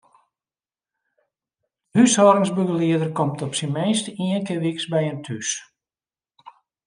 De húshâldingsbegelieder komt op syn minst ien kear wyks by jin thús.